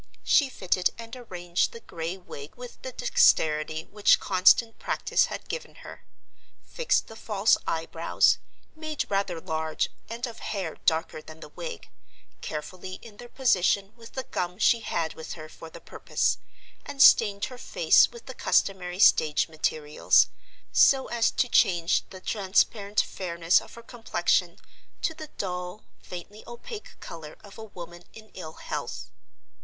She fitted and arranged the gray wig with the dexterity which constant practice had given her; fixed the false eyebrows (made rather large, and of hair darker than the wig) carefully in their position with the gum she had with her for the purpose, and stained her face with the customary stage materials, so as to change the transparent fairness of her complexion to the dull, faintly opaque color of a woman in ill health.